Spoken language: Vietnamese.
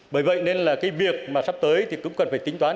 bởi vậy nên là cái việc mà sắp tới thì cũng cần phải tính toán